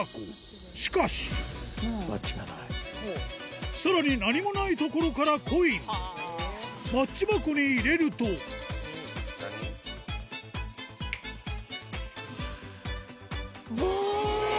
しかしさらに何もない所からコインマッチ箱に入れるとうわぁ！